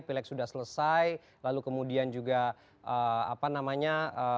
pileg sudah selesai lalu kemudian juga apa namanya